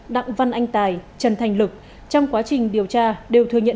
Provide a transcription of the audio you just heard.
đặng văn anh tài trần thành lực trong quá trình điều tra đều thừa nhận